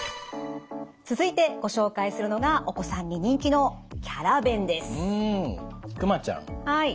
続いてご紹介するのがお子さんに人気のキャラ弁です。